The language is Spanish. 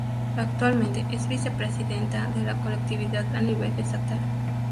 Actualmente es vicepresidenta de la colectividad a nivel estatal.